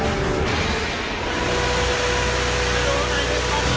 สถานการณ์ข้อมูล